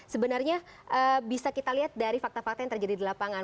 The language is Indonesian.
sebenarnya bisa kita lihat dari fakta fakta yang terjadi di lapangan